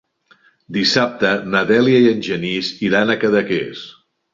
Dissabte na Dèlia i en Genís iran a Cadaqués.